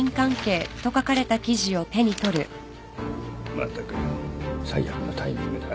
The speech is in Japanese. まったく最悪のタイミングだ